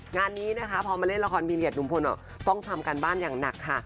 งานนี้นะคะพอมาเล่นละครบีเรียสหนุ่มพลต้องทำการบ้านอย่างหนักค่ะ